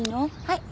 はい。